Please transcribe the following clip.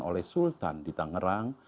oleh sultan di tangerang